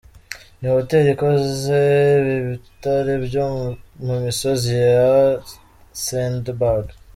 Ni hoteli ikoze bi bitare byo mu misozi ya Cederberg.